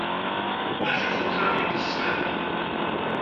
D acu-tt tuttra-nwen tis snat?